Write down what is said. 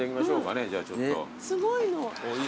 すごいの。